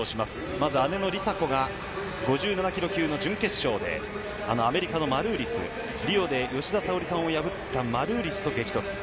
まず姉の梨紗子が５７キロ級の準決勝で、アメリカのマルーリス、リオで吉田沙保里さんを破ったマルーリスと激突。